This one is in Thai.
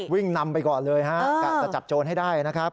วิ่งนำไปก่อนเลยฮะกะจะจับโจรให้ได้นะครับ